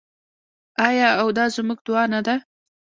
آیا او دا زموږ دعا نه ده؟